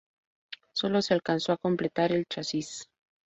Sólo se alcanzó a completar el chasis.